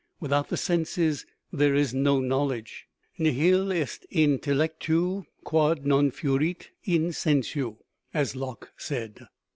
Without the senses there is no knowledge "Nihil est in intellectu, quod non fuerit in sensu," as Locke said.